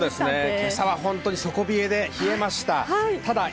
今朝は、本当に底冷えで冷えました。